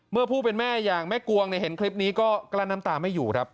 เมื่อพูดเป็นแม่อย่างแม่กวงในเห็นคลิปนี้ก็กล้านน้ำตาไม่อยู่